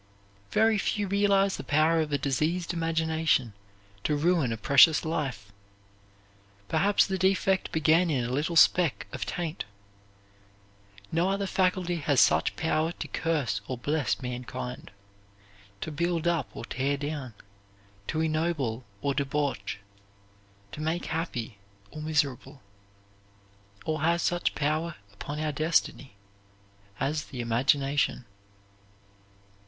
Very few realize the power of a diseased imagination to ruin a precious life. Perhaps the defect began in a little speck of taint. No other faculty has such power to curse or bless mankind, to build up or tear down, to ennoble or debauch, to make happy or miserable, or has such power upon our destiny, as the imagination.